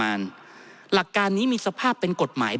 ท่านประธานครับนี่คือสิ่งที่สุดท้ายของท่านครับ